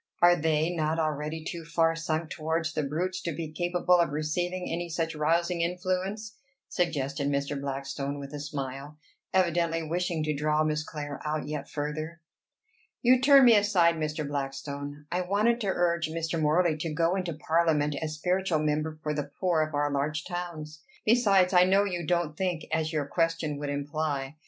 Are they not already too far sunk towards the brutes to be capable of receiving any such rousing influence?" suggested Mr. Blackstone with a smile, evidently wishing to draw Miss Clare out yet further. "You turn me aside, Mr. Blackstone. I wanted to urge Mr. Morley to go into parliament as spiritual member for the poor of our large towns. Besides, I know you don't think as your question would imply.